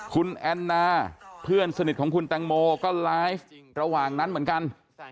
คุณแอนนาเพื่อนสนิทของคุณแตงโมก็ไลฟ์ระหว่างนั้นเหมือนกัน